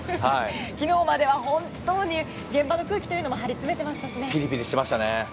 昨日までは本当に現場の空気も張りつめていましたしね。